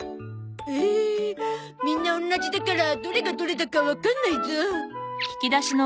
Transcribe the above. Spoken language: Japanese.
ええみんなおんなじだからどれがどれだかわかんないゾ。